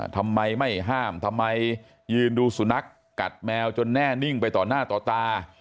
ทำไมไม่ห้ามทำไมยืนดูสุนัขกัดแมวจนแน่นิ่งไปต่อหน้าต่อตา